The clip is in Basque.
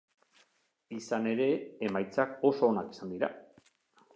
Izan ere, emaitzak oso onak izan dira.